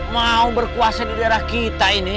mau berkuasa di daerah kita ini